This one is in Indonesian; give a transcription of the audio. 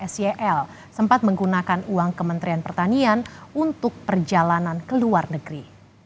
sel sempat menggunakan uang kementerian pertanian untuk perjalanan ke luar negeri